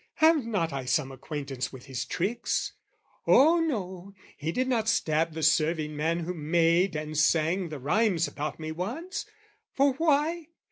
"Have not I some acquaintance with his tricks? "Oh no, he did not stab the serving man "Who made and sang the rhymes about me once! "For why?